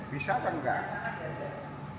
bisa atau enggak